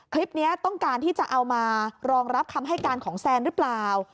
คลิปนี้ต้องการที่จะเอามารองรับคำให้การของแซนหรือเปล่า